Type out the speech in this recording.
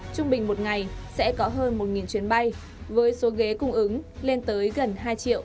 trung bình một ngày sẽ có hơn một chuyến bay với số ghế cung ứng lên tới gần hai một trăm bảy mươi ghế